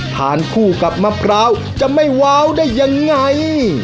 ทานคู่กับมะพร้าวจะไม่ว้าวได้ยังไง